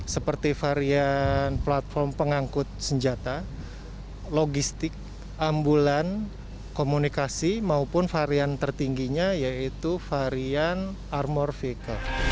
seperti varian platform pengangkut senjata logistik ambulan komunikasi maupun varian tertingginya yaitu varian armor vk